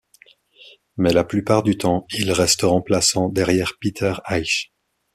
Mais la plupart du temps il reste remplaçant derrière Petr Eich.